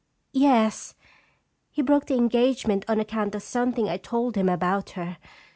" Yes; he broke the engagement on account of something I told him about her.